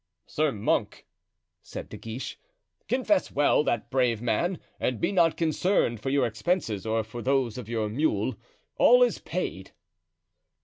"Sir monk," said De Guiche, "confess well that brave man; and be not concerned for your expenses or for those of your mule; all is paid."